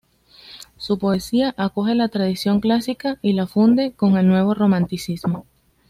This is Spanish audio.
Su poesía acoge la tradición clásica y la funde con el nuevo romanticismo.